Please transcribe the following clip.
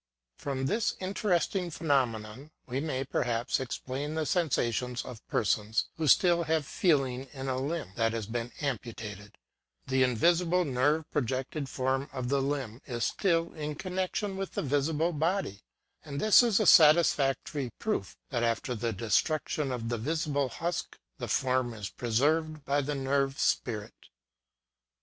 From this interesting phenomenon, we may, perhaps, explain the sensations of persons, who still have feeling in a limb that has been ampu tated : the invisible nerve projected form of the limb is still in connexion with the visible body ; and this is a satisfactory proof, that after the destruction of the visible husk, the form is preserved by the nerve spirit.